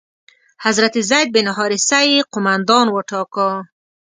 حضرت زید بن حارثه یې قومندان وټاکه.